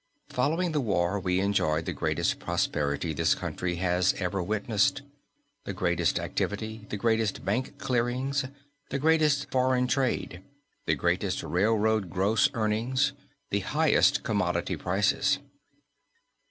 Following the war we enjoyed the greatest prosperity this country has ever witnessed; the greatest activity, the greatest bank clearings, the greatest foreign trade, the greatest railroad gross earnings, the highest commodity prices.